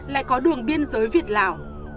lại có đường biên giới việt lào